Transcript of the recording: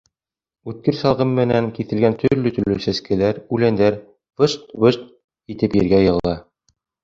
Үткер салғы менән киҫелгән төрлө-төрлө сәскәләр, үләндәр «выжт... выжт...» итеп ергә йығыла.